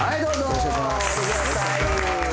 よろしくお願いします。